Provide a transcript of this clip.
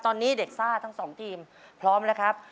ตอนนี้เด็กซ่าทั้งสองทีมพร้อมแล้วครับ